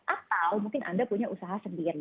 atau mungkin anda punya usaha sendiri